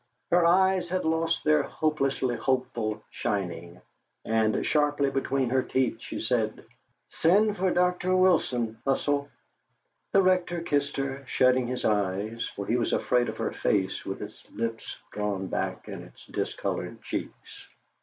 Her eyes had lost their hopelessly hopeful shining, and sharply between her teeth she said: "Send for Dr. Wilson, Hussell." The Rector kissed her, shutting his eyes, for he was afraid of her face with its lips drawn back, and its discoloured cheeks.